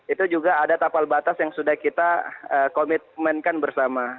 itu juga ada tapal batas yang sudah kita komitmenkan bersama